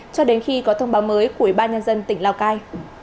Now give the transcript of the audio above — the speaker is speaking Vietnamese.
cho đến khi có thông báo mới của ubnd tỉnh lào cai